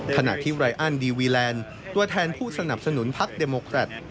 ขณะที่ไรอันดีวีแลนด์ตัวแทนผู้สนับสนุนพักริปรับบริกัน